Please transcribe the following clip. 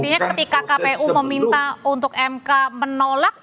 artinya ketika kpu meminta untuk mk menolak